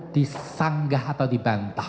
disanggah atau dibantah